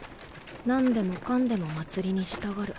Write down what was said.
何でもかんでも祭りにしたがる。